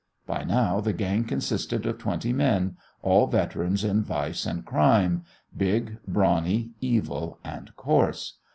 By now the gang consisted of twenty men, all veterans in vice and crime, big, brawny, evil and coarse.